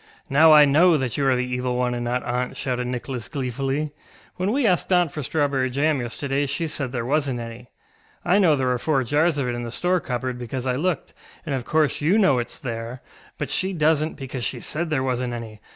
ŌĆ£Now I know that you are the Evil One and not aunt, ŌĆØ shouted Nicholas gleefully; ŌĆ£when we asked aunt for strawberry jam yesterday she said there wasnŌĆÖt any. I know there are four jars of it in the store cupboard, because I looked, and of course you know itŌĆÖs there, but she doesnŌĆÖt, because she said there wasnŌĆÖt any.